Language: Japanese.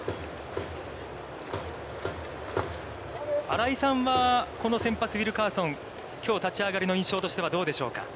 新井さんは、この先発ウィルカーソン、きょう立ち上がりの印象としてはどうでしょうか。